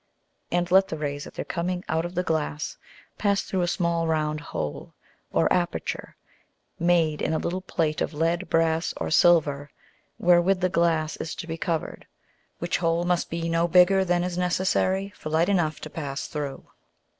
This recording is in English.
And let the Rays at their coming out of the Glass pass through a small round hole, or aperture made in a little plate of Lead, Brass, or Silver, wherewith the Glass is to be covered, which hole must be no bigger than is necessary for Light enough to pass through.